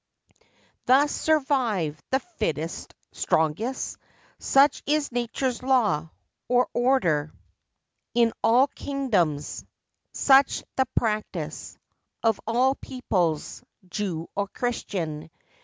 Thus survive the fittest—strongest. Such is nature's law, or order, i8 FACTS AND FANCIES. In all kingdoms. Such the practice Of all peoples, Jew or Christian.